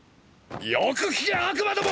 よく聞け悪魔ども！！